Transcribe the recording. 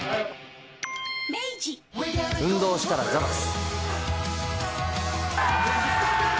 運動したらザバス。